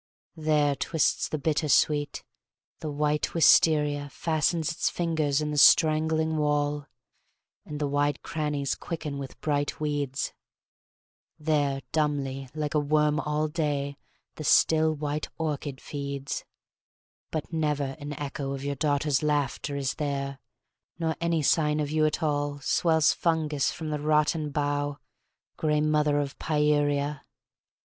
There twists the bitter sweet, the white wisteria Fastens its fingers in the strangling wall, And the wide crannies quicken with bright weeds; There dumbly like a worm all day the still white orchid feeds; But never an echo of your daughters' laughter Is there, nor any sign of you at all Swells fungous from the rotten bough, grey mother of Pieria!